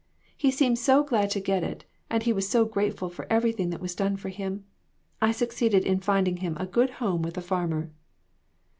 He seemed so glad to get it, and he was so grateful for everything that was done for him. I succeeded in finding him a good home with a farmer."